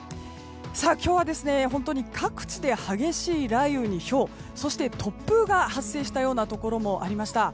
今日は本当に各地で激しい雷雨にひょうそして突風が発生したところもありました。